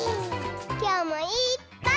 きょうもいっぱい。